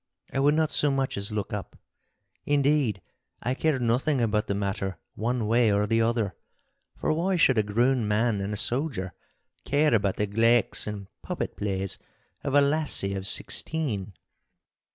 I would not so much as look up. Indeed, I cared nothing about the matter one way or the other, for why should a grown man and a soldier care about the glaiks and puppet plays of a lassie of sixteen?